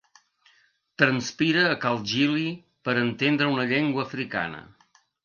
Transpira a can Gili per entendre una llengua africana.